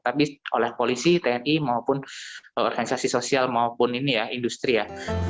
tapi oleh polisi tni maupun organisasi sosial maupun ini ya industri ya